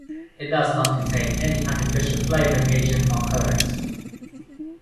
It does not contain any artificial flavoring agent or colorant.